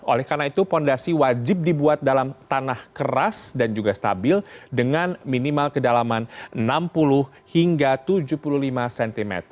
oleh karena itu fondasi wajib dibuat dalam tanah keras dan juga stabil dengan minimal kedalaman enam puluh hingga tujuh puluh lima cm